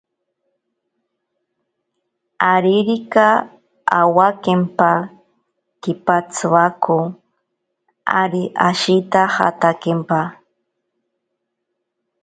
Aririka awakempa kipatsiwako, ari ashijatakempa.